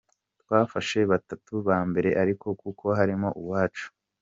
Twafashe batatu ba mbere ariko kuko harimo uwacu.